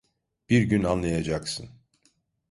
Bir gün anlayacaksın.